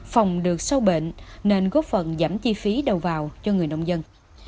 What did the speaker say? phòng được sâu bệnh nên góp phần giảm chi phí đầu vào cho người nông dân